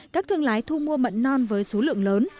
các thương lái thu mua mận non với số lượng lớn